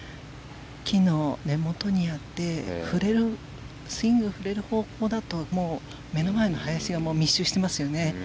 木の根元にあってスイングを振れる方法だともう目の前の林が密集していますよね。